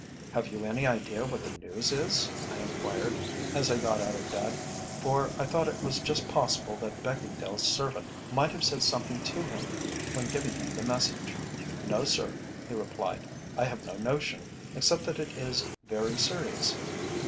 "'Have you any idea what the news is?' I enquired, as I got out of bed, for I thought it was just possible that Beckingdale's servant might have said something to him when giving him the message. "'No, sir,' he replied; 'I have no notion, except that it is very serious.